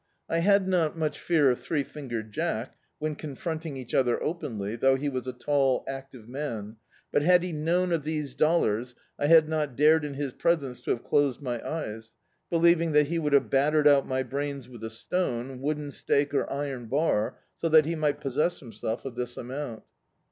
I had not much fear of Three Fingered Jack, when ccmfronting each other openly, though he was a tall active man, but had he known of these dollars, I bad not dared in his presence to have closed my eyes, believing that he would have battered out my brains with a stone, wooden stake or iron bar, so that he might possess himself of this amount.